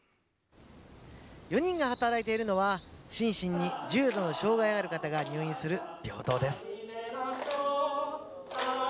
４人が働いているのは心身に重度の障害がある方が入院する病棟です。